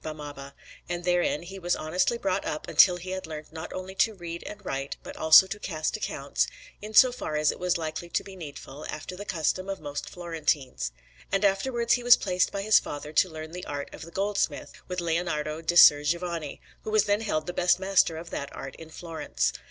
Barnaba; and therein he was honestly brought up until he had learnt not only to read and write but also to cast accounts, in so far as it was likely to be needful, after the custom of most Florentines. And afterwards he was placed by his father to learn the art of the goldsmith with Leonardo di Ser Giovanni, who was then held the best master of that art in Florence.